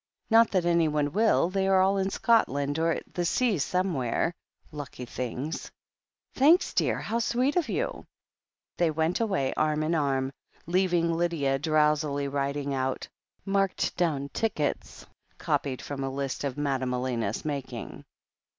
Not that anyone will — ^they are all in Scot land or at the sea somewhere — ^lucky things 1" "Thanks, dear — how sweet of you!" They went away arm in arm, leaving Lydia drowsily writing out "Marked down" tickets, copied from a list of Madame Elena's making.